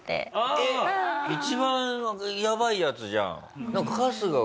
一番やばいやつじゃん。